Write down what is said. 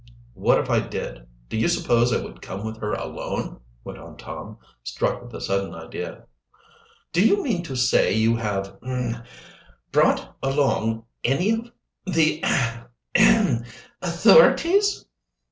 "What if I did? Do you suppose I would come with her alone?" went on Tom, struck with a sudden idea. "Do you mean to say you have er brought along any of the ahem! authorities?"